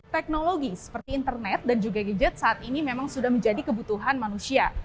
teknologi seperti internet dan juga gadget saat ini memang sudah menjadi kebutuhan manusia